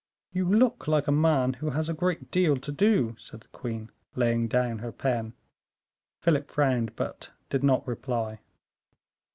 "You look like a man who has a great deal to do," said the queen, laying down her pen. Philip frowned, but did not reply.